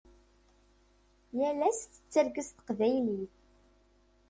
Yal ass tettargu s teqbaylit.